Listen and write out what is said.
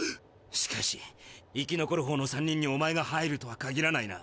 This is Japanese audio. しかし生き残るほうの３人におまえが入るとは限らないな。